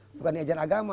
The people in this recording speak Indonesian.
bukan di ajar agama